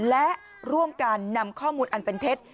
และร่วมกันนำข้อมูลอันเป็นเท็จ